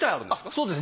そうです